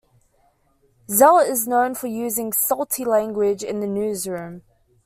Zell is known for using "salty" language in the newsroom.